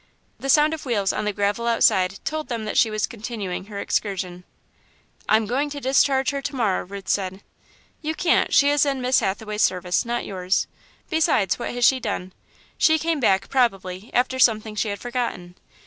The sound of wheels on the gravel outside told them that she was continuing her excursion. "I'm going to discharge her to morrow," Ruth said. "You can't she is in Miss Hathaway's service, not yours. Besides, what has she done? She came back, probably, after something she had forgotten.